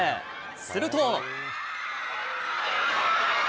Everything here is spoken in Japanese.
すると。